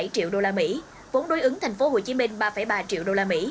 một mươi chín bảy triệu usd vốn đối ứng tp hcm ba ba triệu usd